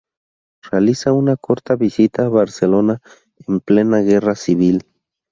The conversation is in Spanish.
Realiza una corta visita a Barcelona en plena guerra civil.